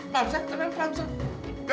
pak hamzah penang pak hamzah